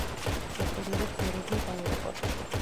ოპერირებს ერევნის აეროპორტში.